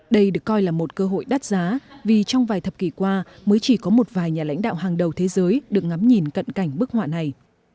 đây được coi là một cơ hội đắt giá vì trong vài thập kỷ qua mới chỉ có một vài nhà lãnh đạo hàng đầu thế giới được ngắm nhìn cận cảnh bức họa này